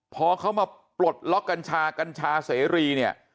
พอเขามาปลดล็อกกัญชากัญชาเสรีเนี่ย